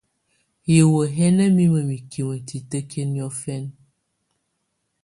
Hiwǝ́ hɛ̀ nà mimǝ mikimǝ titǝkiǝ niɔ̀fɛ̀na.